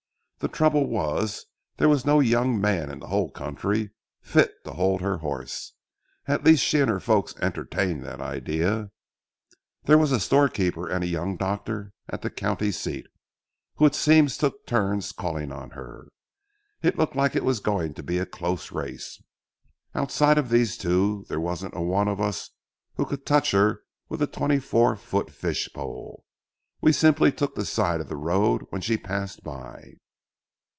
The trouble was, there was no young man in the whole country fit to hold her horse. At least she and her folks entertained that idea. There was a storekeeper and a young doctor at the county seat, who it seems took turns calling on her. It looked like it was going to be a close race. Outside of these two there wasn't a one of us who could touch her with a twenty four foot fish pole. We simply took the side of the road when she passed by.